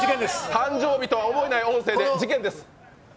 誕生日とは思えない音声で、事件です。